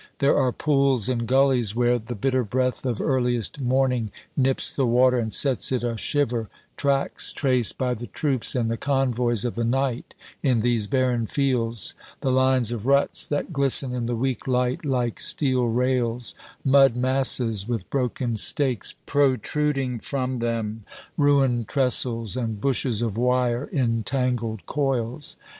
There are pools and gullies where the bitter breath of earliest morning nips the water and sets it a shiver; tracks traced by the troops and the convoys of the night in these barren fields, the lines of ruts that glisten in the weak light like steel rails, mud masses with broken stakes protruding from them, ruined trestles, and bushes of wire in tangled coils.